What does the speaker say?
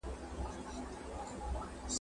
چیغي پورته له سړیو له آسونو ..